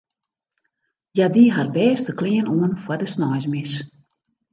Hja die har bêste klean oan foar de sneinsmis.